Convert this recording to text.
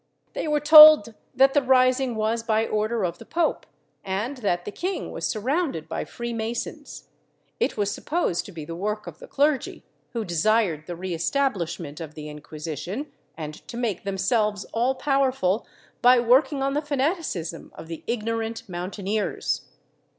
They were told that the rising was by order of the pope and that the king was surrounded by Free Masons; it was supposed to be the work of the clergy, who desired the re establishment of the Inquisition, and to make themselves all powerful by working on the fanaticism of the ignorant moun taineers.